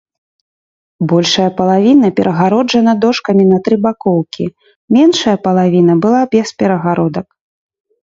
Большая палавіна перагароджана дошкамі на тры бакоўкі, меншая палавіна была без перагародак.